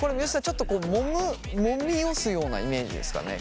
ちょっともむもみ押すようなイメージですかね？